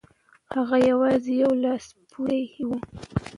هغه یوازې یو لاسپوڅی و.